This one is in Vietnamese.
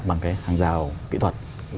bằng cái hàng rào kỹ thuật